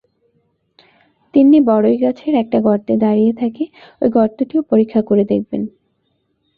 তিন্নি বড়ই গাছের একটা গর্তে দাঁড়িয়ে থাকে, ঐ গর্তটিও পরীক্ষা করে দেখবেন।